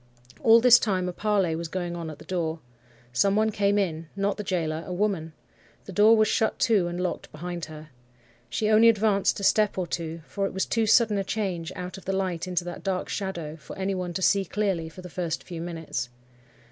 "All this time a parley was going on at the door. Some one came in; not the gaoler—a woman. The door was shut to and locked behind her. She only advanced a step or two, for it was too sudden a change, out of the light into that dark shadow, for any one to see clearly for the first few minutes.